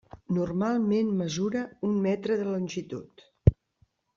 Normalment mesura un metre de longitud.